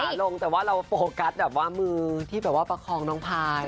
ลงแต่ว่าเราโฟกัสแบบว่ามือที่แบบว่าประคองน้องพาย